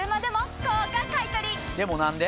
でも何で？